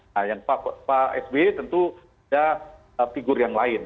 nah yang pak sby tentu ada figur yang lain